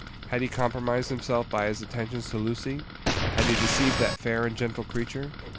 Had he compromised himself by his attentions to Lucy? Had he deceived that fair and gentle creature?